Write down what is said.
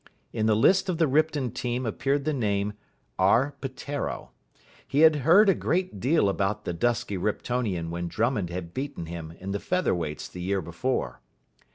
In the list of the Ripton team appeared the name R. Peteiro. He had heard a great deal about the dusky Riptonian when Drummond had beaten him in the Feather Weights the year before.